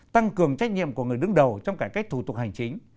tăng cường trách nhiệm của người đứng đầu trong cải cách thủ tục hành chính